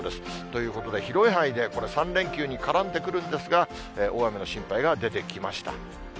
ということで、広い範囲でこれ、３連休に絡んでくるんですが、大雨の心配が出てきました。